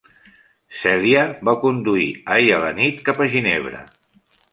Celia va conduir ahir a la nit cap a Ginebra.